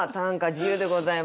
自由でございます。